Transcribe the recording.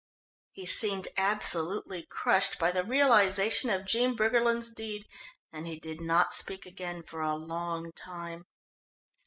He seemed absolutely crushed by the realisation of Jean Briggerland's deed, and he did not speak again for a long time.